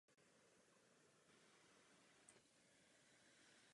Něco tu někde chybí.